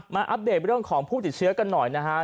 อัปเดตเรื่องของผู้ติดเชื้อกันหน่อยนะฮะ